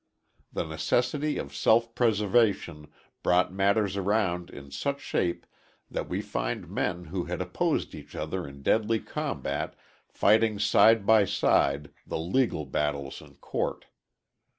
The necessity of self preservation brought matters around in such shape that we find men who had opposed each other in deadly combat, fighting side by side the legal battles in court.